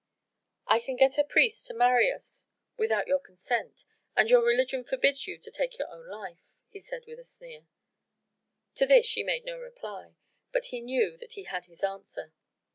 "I can get a priest to marry us without your consent: and your religion forbids you to take your own life," he said with a sneer. To this she made no reply, but he knew that he had his answer.